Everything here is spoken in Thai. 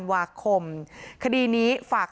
สวัสดีครับ